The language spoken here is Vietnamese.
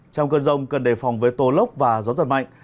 trong cơn rông cần đề phòng với tô lốc và gió giật mạnh